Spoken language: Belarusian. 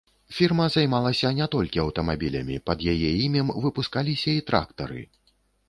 Фірма займалася не толькі аўтамабілямі, пад яе імем выпускаліся і трактары.